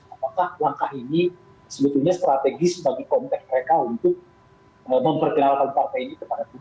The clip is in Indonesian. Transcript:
apakah langkah ini sebetulnya strategis bagi konteks mereka untuk memperkenalkan partai ini kepada publik